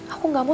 aku gak mau